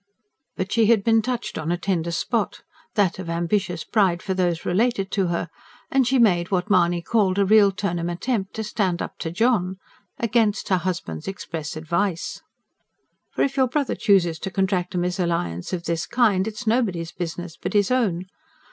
But she had been touched on a tender spot that of ambitious pride for those related to her and she made what Mahony called "a real Turnham attempt" to stand up to John. Against her husband's express advice. "For if your brother chooses to contract a mesalliance of this kind, it's nobody's business but his own.